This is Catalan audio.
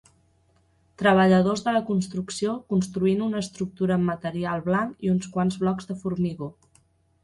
Treballadors de la construcció construint una estructura amb material blanc i uns quants blocs de formigó.